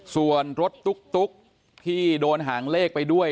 ส่วนรถตุ๊กที่โดนหางเลขไปด้วย